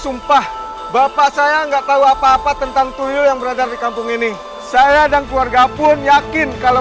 untuk memperjelas permasalahannya tombolah serangan jantung bu